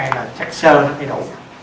là chắc sơ nó phải đủ